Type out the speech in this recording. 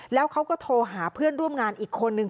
แล้วเขาก็โทรหาเพื่อนร่วมงานอีกคนนึง